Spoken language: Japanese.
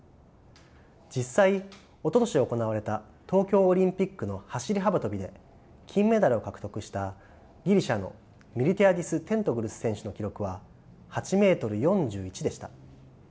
実際おととし行われた東京オリンピックの走り幅跳びで金メダルを獲得したギリシャのミルティアディス・テントグル選手の記録は８ｍ４１でした。